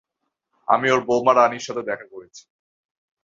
আমি ওর বৌমা রানীর সাথে দেখা করেছি।